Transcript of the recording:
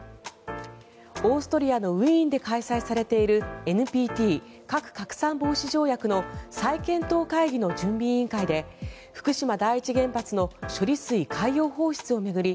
オーストリアのウィーンで開催されているＮＰＴ・核拡散防止条約の再検討会議の準備委員会で福島第一原発の処理水海洋放出を巡り